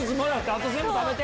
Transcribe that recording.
あと全部食べて！